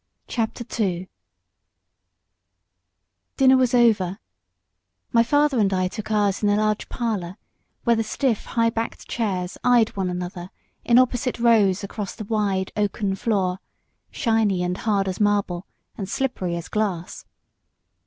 CHAPTER II Dinner was over; my father and I took ours in the large parlour, where the stiff, high backed chairs eyed one another in opposite rows across the wide oaken floor, shiny and hard as marble, and slippery as glass.